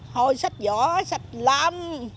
thôi sách vỏ sạch lắm